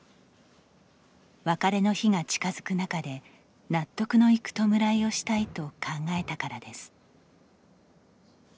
別れの日が近づく中で納得のいく弔いをしたいと考えたからです。